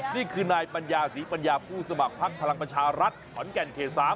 นี่คือนายปัญญาศรีปัญญาผู้สมัครพักพลังประชารัฐขอนแก่นเขต๓